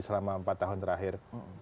selama empat tahun terakhir